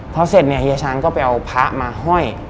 พอเสร็จเนี่ยเฮียช้างก็ไปเอาพระมาห้อย